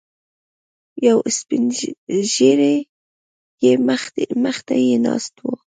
یو سپینږیری یې مخې ته ناست و.